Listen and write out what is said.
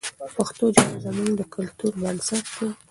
پښتو ژبه زموږ د کلتور بنسټ دی.